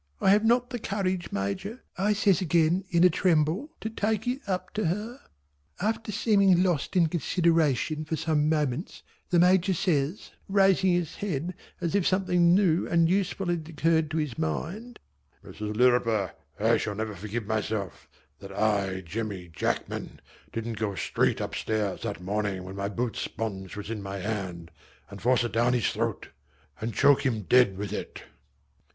"I have not the courage Major" I says again in a tremble "to take it up to her." After seeming lost in consideration for some moments the Major says, raising his head as if something new and useful had occurred to his mind "Mrs. Lirriper, I shall never forgive myself that I, Jemmy Jackman, didn't go straight up stairs that morning when my boot sponge was in my hand and force it down his throat and choke him dead with it."